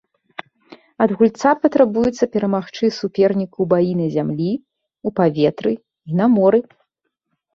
Ад гульца патрабуецца перамагчы суперніка ў баі на зямлі, у паветры і на моры.